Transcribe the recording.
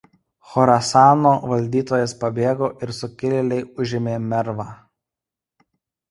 Chorasano valdytojas pabėgo ir sukilėliai užėmė Mervą.